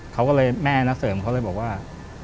เขาก็เลยแม่นะเสริมเขาเลยบอกว่า